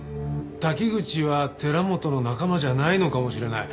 滝口は寺本の仲間じゃないのかもしれない。